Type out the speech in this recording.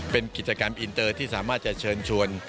เป็นกิจกรรมอินเตอร์ที่สามารถจะเชิญชวน